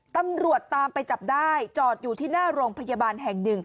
ตำรวจตามไปจับได้จอดอยู่ที่หน้าโรงพยาบาลแห่งหนึ่ง